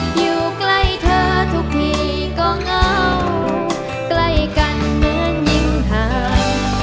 อยู่ใกล้เธอทุกทีก็เหงาใกล้กันเหมือนหญิงไทย